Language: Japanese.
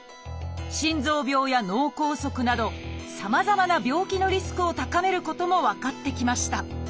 心臓病や脳梗塞などさまざまな病気のリスクを高めることも分かってきました。